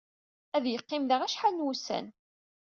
Ad yeqqim da acḥal n wussan.